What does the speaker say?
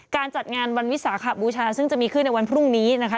จัดงานวันวิสาขบูชาซึ่งจะมีขึ้นในวันพรุ่งนี้นะคะ